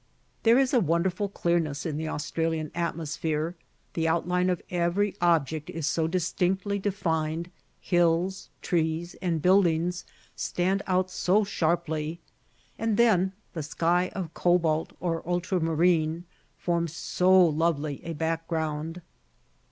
There is a wonderful clearness in the Australian atmosphere, the outline of every object is so distinctly defined; hills, trees, and buildings stand out so sharply; and then the sky of cobalt, or ultramarine, forms so lovely a background.